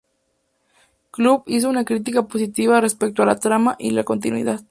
Club hizo una crítica positiva respecto a la trama y la continuidad.